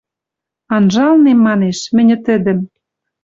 «Анжалнем, манеш, мӹньӹ тӹдӹм